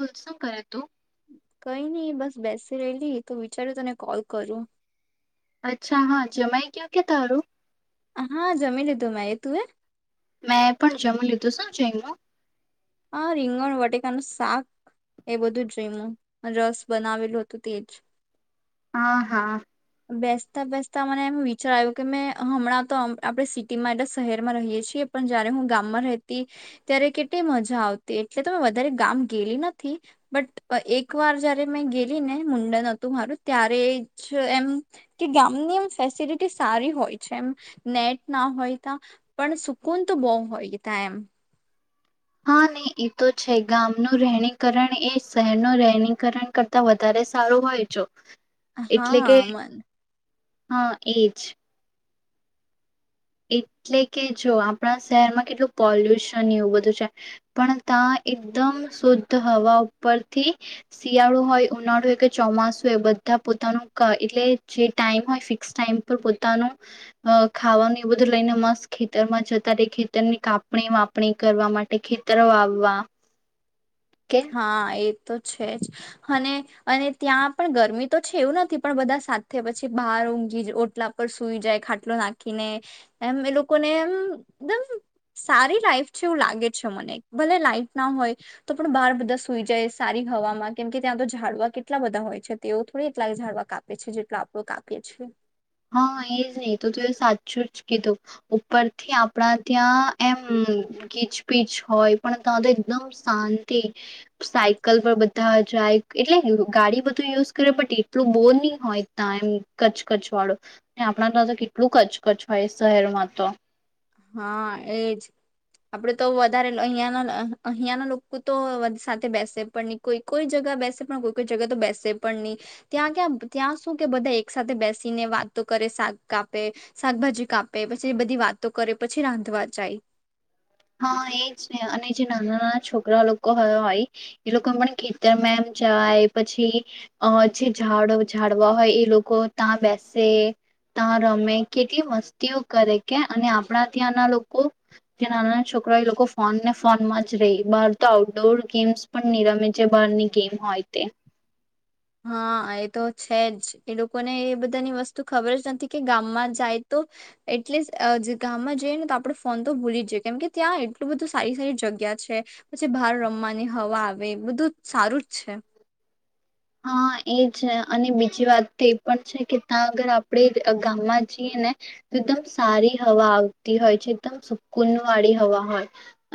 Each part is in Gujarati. બોલ શું કરે તું કઈ ની બસ બેસી રેલી તો વિચાર્યું તને કોલ કરું અચ્છા હા જમાઈ ગયો કે તારું હા જમી લીધું મે એ તું એ મેં પણ જમી લીધું શું જયમુ હ રીંગણ બટેકાનું શાક એ બધું જઈમું અને રસ બનાવેલું હતું તેજ હા હા બેસતા બેસતા મને એમ વિચાર આવ્યું કે મે હમણાં તો અમ આપણે સિટી માટે શહેરમાં રહીયે છીએ પણ જયારે હું ગામમાં રેહતી ત્યારે કેટલી મજ જા આવતી એટલે તો મેં વધારે ગામ ગેલી નથી બટ અ એક વાર જયારે મેં ગેલી ને મુંડન હતું મારું ત્યારે જ એમ કે ગામની એમ ફેસિલિટી સારી હોય છે એમ નેટ ના હોય તા પણ સુકૂન તો બહુ હોય તા એમ હા નહી એ તો છે ગામનું રહેણીકરણ એ શહેરનું રહેણીકરણ કરતા વધારે સારું હોય જો એટલે હા કે અમન હા એજ એટલે કે જો આપણા શહેરમાં કેટલું પોલ્યુશન એવું બધું છે પણ ત્યાં એકદમ શુદ્ધ હવા ઉપરથી શિયાળો હોય ઉનાળુ હોય કે ચોમાસું હોય બધા પોતાનું ક એટલે જે ટાઈમ હોય ફિક્સ ટાઈમ પર પોતાનું અ ખાવાની આ બધું લઈને મસ્ત ખેતરમાં જતા તે ખેતરની કાપણી વાપણી કરવા માટે ખેતરો આવવા હા એ તો છે જ અને અને ત્યાં પણ ગરમી તો છે એવું નથી પણ બધા સાથે પછી બહાર ઊંઘી જ ઉટલા પર સુઈ જાય ખાટલો નાખીને એમ એ લોકોને એમ એકદમ સારી લાઈફ છે એવું લાગે છે મને ભલે લાઈટ ના હોય તો પણ બહાર બધા સુઈ જાય સારી હવામાં કેમકે ત્યાં તો ઝાડવા કેટલા બધા હોય છે તેઓ થોડી એટલા ઝાડવા કાપે છે જેટલો આપડો કાપીએ છીએ હા એજ ને એ તો તું એ સાચું જ કીધું ઉપરથી આપણા ત્યાં એમ કીચ પીચ હોય પણ ત્યાં તો એકદમ શાંતિ સાયકલ પર બધા જાય એટલે ગાડી બધું યુઝ કરે બટ એટલું બોર ની હોય ત્યાં એમ કચકચ વાળો ને આપણા તા તો કેટલું કચકચ હોય શહેરમાં તો હા એજ આપડે તો વધારે લ અહિયાંયાના અહ અહિયાના લોકો તો વધ સાથે બેસે પણ ની કોઈ કોઈ જગા બેસે પણ કોઈ કોઈ જગા તો બેસે પણ નહી ત્યાં ક્યા ત્યાં શું કે બધા એક સાથે બેસીને વાતો કરે શાક કાપે શાકભાજી કાપે પછી બધી વાતો કરે પછી રાંધવા જાય. હા એ છે અને જે નાના નાના છોકરા લોકો હોય એ લોકો પણ ખેતરમાં એમ જાય પછી અ જે ઝાડ ઝાડવા હોય એ લોકો ત્યાં બેસે ત્યાં રમે કેટલી મસ્તીઓ કરે કે અને આપણા ત્યાંના લોકો જે નાના છોકરાએ લોકો ફોનને ફોનમાં જ રહી બહાર તો આઉટડોર ગેમ્સ પણ ની રમે છે બહારની ગેમ હોય તે હા એ તો છે જ એ લોકોને એ બધાની વસ્તુ ખબર જ નથી કે ગામમાં જાય તો એટલે જ અ જ ગામમાં જઈએ ને તો આપડે ફોન તો ભૂલી જ જઈએ કેમ કે ત્યાં એટલું બધું સારી સારી જગ્યા છે પછી બહાર રમવાની હવા આવે બધું સારું જ છે. હા એ છે અને બીજી વાત તો એ પણ છે કે ત્યાં આગર આપણે અ ગામમાં જઈએ ને તો એકદમ સારી હવા આવતી હોય છે એકદમ સુકુન વાળી હવા હોય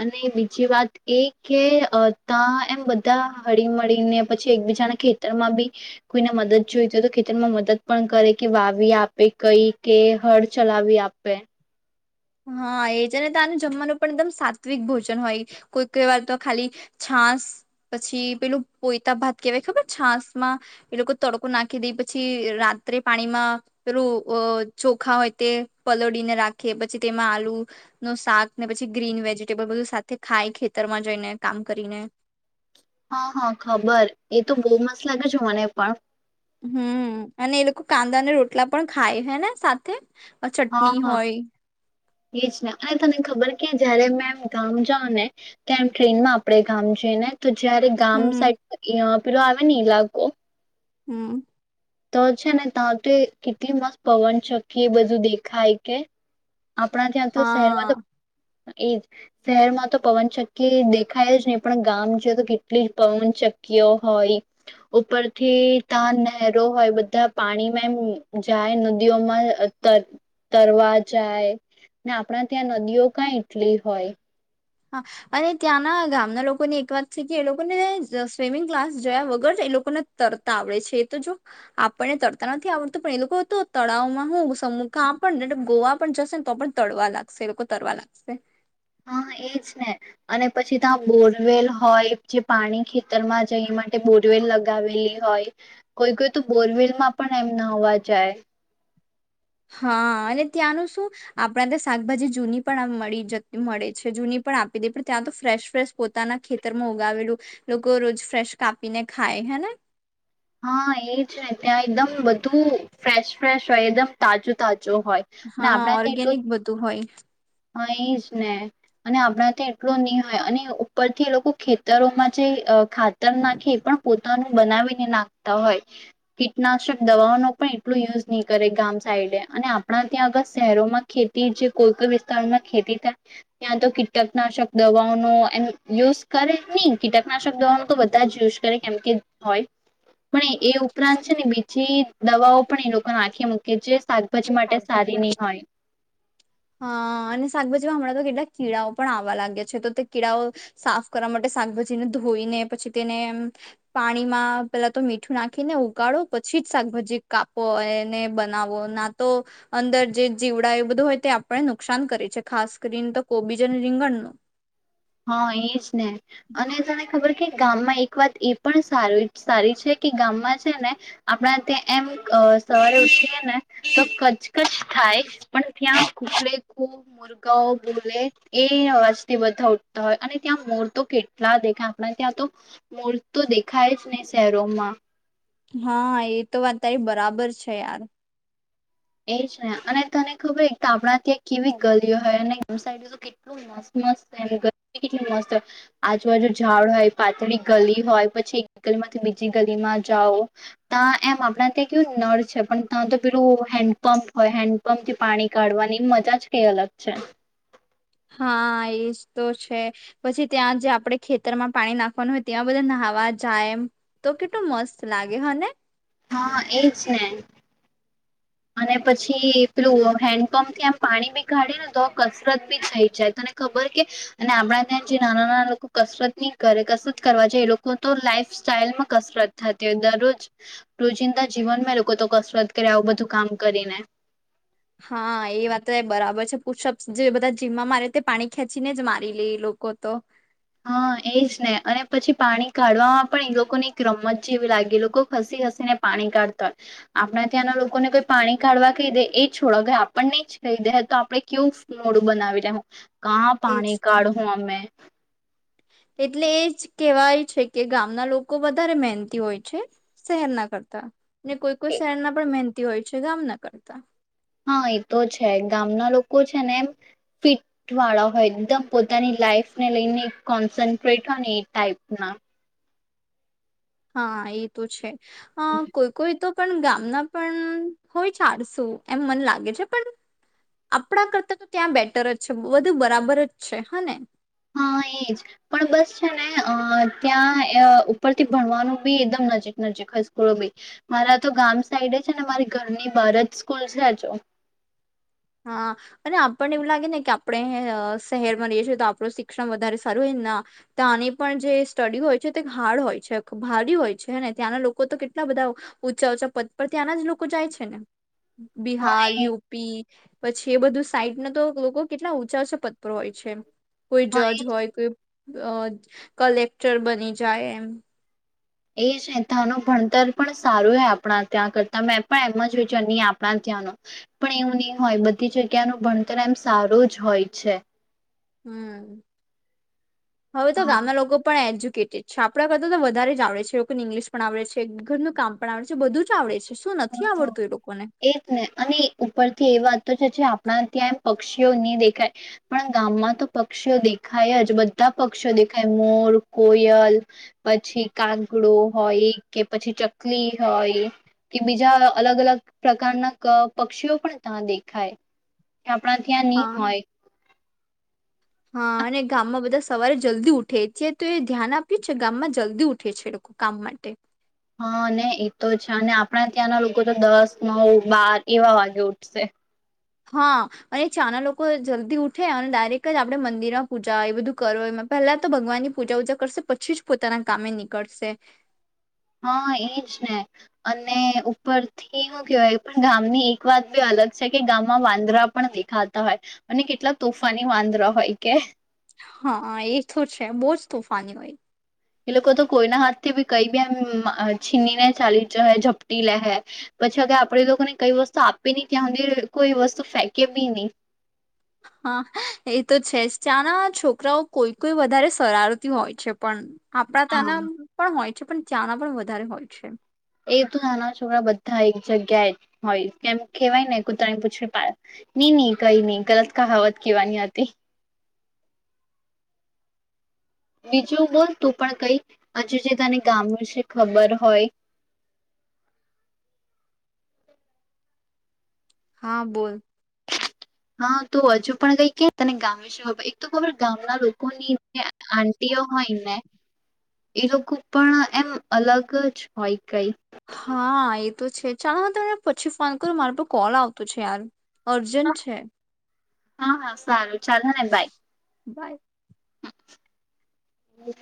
અને બીજી વાત એ કે અ તા એમ બધા હળી મળળીને પછી એકબીજાના ખેત ખેતરમાં બી કોઈને મદદ જોઈતી હોય તો ખેતરમાં મદદ પણ કરે કે વાવી આપે કઈ કે હળ ચલાવી આપે હા એ જ ને તા આને જમવાનું પણ એકદમ સાત્વિક ભોજન હોય કોઈ કોઈવાર તો ખાલી છાસ પછી પેલું પોયતા ભાત કેહેવાય ખબર છાસમાં એ લોકો તડકો નાખી દે પછી રાત્રે પાણીમાં પેલું અ ચોખા હોય તે પલળીને રાખે પછ પછી તેમાં આલુ નુ શાક ને પછી ગ્રીન વેજીિટેબલ બધું સાથે ખાય ખેતરમાં જઈને કામ કરીને હા હા ખબર એ તો બહુ મસ્ત લાગે છે મને પણ હમ અને એ લોકો કાંદા અને રોટલા પણ ખાય હે ને સાથે હા ચટણી હા હોય એજ ને અને તને ખબર કે જયારે મે એમ ગામ જાવ ને તેમ ટ્રેનમાં આપડે ગામ જઈને તો જયારે ગામ હમ સાઈડ એ અ પેલો આવે ને ઈલાકો હમ તો છે ને તા તો કેટલી મસ પવન ચક્કી એ બધું દેખાય કે આપણા ત્યાં તો શહેરમાં હા તો એજ શહેરમાં તો પવનચક્કી દેખાય જ નહી પણ ગામ જય તો કેટલી જ પવનચક્કીઓ હોય ઉપરથી તા નેરો હોય બધા પાણીમાં એમ જાય નદીઓમાં તર તરવા જાય ને આપણા ત્યાં નદીઓ કંઈ એટલી હોય. હા અને ત્યાંના ગામના લોકોની એક વાત છે કે એ લોકોને જે સ્વિમિંગ ક્લાસ જોયા વગર જ એ લોકોને તરતા આવડે છે એ તો જો આપણને તરતા નથી આવડતું પણ એ લોકો તો તળાવમાં હું સમુખા પણ નેતો ગોવા પણ જશે ને તો પણ તળવા લાગશે એ લોકો તરવા લાગશે હા એજ ને અને પછી ત્યાં બોરવેલ હોય જે પાણી ખેતરમાં જઈ માટે બોરવેલ લગાવેલી હોય કોઈ કોઈ તો બોરવેલમાં પણ એમ નાવા જાય. હા અને ત્યાંનું શું આપણા તો શાકભાજી જૂની પણ મળી જતી મળે છે જૂની પણ આપી દે પણ ત્યાં તો ફ્રેશ ફ્રેશ પોતાના ખેતરમાં ઉગાવેલું લોકો રોજ ફ્રેશ કાપીને ખાય હે ને હા એ જ ને ત્યાં એકદમ બધું ફ્રેશ ફ્રેશ હોય એકદમ તાજું તાજુ હા ઓર્ગેનિક બધું હોય હા એ જ ને અને આપણા ત્યાં એટલું નહ હોય અને ઉપરથી એ લોકો ખેતરોમાં જે ખાતર નાખે એ પણ પોતાનું બનાવીને નાખતા હોય કીટનાશક દવાઓ ન પણ એટલો યુઝ નહી કરે ગામ સાઈડે અને આપણા ત્યાં અગર શહેરોમાં ખેતી જે કોઈઈ માં ખેતી થાય ત્યાં તો કીટકનાશક દવાઓનો એમ યુઝ કરે નહી કીટકનાશક દવાનો તો બધા જ યુઝ કરે કેમ કે હોય પણ એ ઉપરાંત છે ને બીજી દવાઓ પણ એ લોકોને આંખે મૂકી છે શાકભાજી માટે સારી નહી હોય હા અને શાકભાજીમાં હમણાં તો કેટલાક કીડાઓ પણ આવવા લાગ્યા છે તો તે કીડાઓ સાફ કરવા માટે શાકભાજીને ધોઈને પછી તેને પાણીમાં પેલા તો મીઠું નાખીને ઉગાળો પછી જ શાકભાજી કાપો એને બનાવો ના તો અંદર જે જીવડા એવું બધું હોય તે આપણે નુકસાન કરીે છે ખાસ કરીને તો કોબીજ અને રીંગણનું હા એ ને અને તણે ખબર કે ગામમાં એક વાત એ પણ સારી છે કે ગામમાં છે ને આપણા ત્યાં એમ અ સાર ઉછઠી ને તો કજકજ થાય પણ ત્યાં ખૂકડ ખૂ મુર્ગાઓ બોલે એ અ વાજથી બધા હોય અને ત્યાં મૂર્ તો કેટલા દેખાય આપણા ત્યાં તો મૂર્ તો દેખાય જ ને શહેરોમાં હા એ તો વાત તારી બરાબર છે યાર એજ ને અને તને ખબર આપણા ત્યાં કેવી ગલીઓ હોય અને તો કેટલું મત મસ્ત ગ કેટલી મસ્ત આજુબાજુ ઝાડ હોય પાતળી ગલી હોય પછી એક ગલીમાંથી બીજી ગલીમાં જાઓ ત્યાં એમ આપણા ત્યાં કેવું નળ છે પણ ત્યાં તો પેલું હેન્ડ પંપ હોય હેન્ડપંપ થી પાણી કાઢવાની મજા જ કઈ અલગ છે હા એજ તો છે પછી ત્યાં જે આપડ ખેતરમાં પાણી નાખવાનું હોય ત્યાં બધા નહાવા જાય એમ તો કેટલું મસ્ત લાગે હને હા એજ ને અને પછી પેલું હેન્ડપંપ કે એમ પાણી બી કાઢી ને તો કસરત બી થઈ જાય તને ખબર કે અને આપણા ત્યાં જે નાના નાના લોકો કસરત નહી કરે કસરત કરવા જાય એ લોકો તો લાઈફ સ્ટાઈલમાં કસરત થતી હોય દરરોજ રોજિંદા જીવનમાં એ લોકો તો કસરત કરે આવું બધું કામ કરીને હા એ વાત તો બરાબર છે પુષપ જે બધા જીમમાં મારે તે પાણી ખેંચીને જ મારી લે લોકો તો હા એ જ ને અને પછી પાણી કાઢવામાં પણ એ લોકોની એક રમત જેવી લાગી લોકો ખસી હસી ને પાણી કાઢતા હોય આપણા ત્યાંના લોકોને કોઈ પાણી કાઢવા કહી દે એ છોડ આપને નહી જ કહી દે તો આપણે કેવું મોડું બનાવી લેવું કં એજ પાણી તો કાઢું અમે એટલે એ જ કહેવાય છે કે ગામના લોકો વધારે મહેનતી હોય છે, શહેરના કરતા. ને કોઈ કોઈ શહેર ના પણ મહેનંતી હોય છે ગામ ના કરતા. હા, એ તો છે. ગામના લોકો છે ને એમ ફિટ વાળા હોય એકદમ પોતાની લાઈફને લઈને કોન્સન્ટ્રેટ હોય ને એ ટાઈપના. હા, એ તો છે. અહ કોઈ કોઈ તો પણ ગામના પણ હોય ચાડસું એમ મન લાગે છે. પણ આપણા કરતા તો ત્યાં બેટર જ છે બધું બરાબર જ છે હ ને. હા, એજ પણ બસ છે ને અહ ત્યાં અહ ઉપરથી ભણવાનું બી એકદમ નજીક નજીક હસ્કૂલો બી મારા તો ગામ સાઈડ છે ને મારી ઘરની બાર જ સ્કૂલ છે જો. હા અને આપણને એવું લાગે ને કે આપણે અહ શહેર માં રહીએ છીએ તો આપણું શિક્ષણ વધારે સારું હોયને ના ત્યાંની પણ જે સ્ટડી હોય છે તે હાર્ડ હોય છે ભારી હોય છે. હૈને ત્યાંના લોકો તો કેટલા બધા ઊંચા ચા પદ પર ત્યાંના જ લોકો જાય છે ને. હા બિહાર, એ યુ પી પછી એ બધું સાઈટ ના તો લોકો કેટલા ઊંચા છ પત્તો હોય છે. કોઈ જજ હા હોય કોઈ અહ કલેક્ટર બની જાય એમ. એ છે તંનું ભણતર પણ સારું હો આપણા ત્યાં કરતા મેં પણ એમ જ વિચાર નહી આપણા ત્યાંનું. પણ એવું નહી હોય બધી જગ્યાનું ભણતર એમ સારું જ હોય છે. હમ્મ. હવે તો હા ગામના લોકો પણ એજુ કે કે છે આપણા કરતા તો વધારે જ આવડે છે લોકોને ઇંગ્લિશ પણ આવડે છે ઘરનું કામ પણ આવડે છે બધું જ આવડે છે. શું નથી હા આ, આવડતું એ લોકોને એજ ને અને ઉપર થી એ વાત તો જે છે આપણા ત્યાં પક્ષીઓ નહી દેખાય પણ ગામમાં તો પક્ષીઓ દેખાય જ. બધા પક્ષીઓ દેખાય મોર, કોયલ, પછી કાગડો હોય, કે પછી ચકલી હોય કે બીજા ના અલગ અલગ પ્રકારના ક પક્ષીઓ પણ ત્યાં દેખાય. આપણા ત્યાં ની હા હોય. હા અને ગામમાં બધા સવારે જલ્દી ઉઠે છે તો એ ધ્યાન આપ્યું છે ગામમાં જલ્દી ઉઠે છે લોકો કામ માટે. હા ને એતો છે અને આપણા ત્યાંના લોકો તો દસ, નવ, બાર એવા વાગે ઉઠશે. હા અને ચાના લોકો જલ્દી ઉઠે અને ડાયરેક્ટ જ આપણેે મંદિરમાં પૂજા એ બધું કર પહેલા તો ભગવાનની પૂજા ઉજા કરશે પછી જ પોતાના કામે નીકળશે. હા, એજ ને અને ઉપરથી હું કેવાય પણ ગામની એક વાત બી અલગ છે કે ગામમાં વાંદરા પણ દેખાતા હોય. અને કેટલા તોફાની વાંદરા હોય કે હા, એ તો છે બહુ જ તોફાની હોય. એ લોકો તો કોઈના હાથથી બી કઈ બી એમ અહ છીનીને ચાલી જ ઝપટી લે હે. પછી આગે આપણે લોકોને કઈ વસ્તુ આપી નહી ત્યાં હુદી કોઈ વસ્તુ ફેંકે બી નહી. હા એ તો છે જ ચાના છોકરાઓ કોઈ કોઈ વધારે સરારતી હોય છે પણ. આપડા હા. તાના પણ હોય છે પણ ત્યાંના પણ વધારે હોય છે. એ તો નાના છોકરા બધા એક જગ્યાએ જ હોય કેમ કેહેવાય ને કૂતરાની પૂછડી પાડ. ની ની કઈ નહી ગલત કાહવત કહેવાની હતી. બીજું બોલ તું પણ કઈ. હજુ જે તને ગામ વિશે ખબર હોય. હા બોલ. હા, તો હજુ પણ કઈ કે તને ગામે શું ખબર એક તો ખબર ગામના લોકોની જે આંટીઓ હોય ને એ લોકો પણ એમ અલગ જ હોય કઈ. હા, એ તો છે ચાલો હું તમને પછી ફોન કરું મારે પર કોલ આવતો છે યાર. અર્જન્ટન્ટ છે. હા હા સારું. ચાલ હેને બાય. બાય હમ્મ [inaudible]